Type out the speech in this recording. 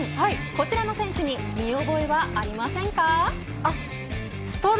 こちらの選手に見覚えはありませんか。